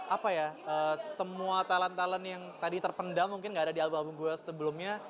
apa ya semua talent talent yang tadi terpendam mungkin gak ada di album album gue sebelumnya